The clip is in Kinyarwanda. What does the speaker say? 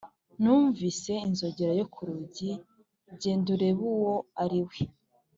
numvise inzogera yo ku rugi. genda urebe uwo ari we.